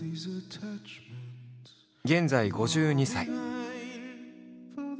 現在５２歳。